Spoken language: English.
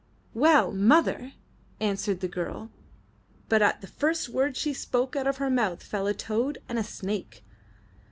''Well, mother!" answered the girl, but at the first words she spoke, out of her mouth fell a toad and a snake.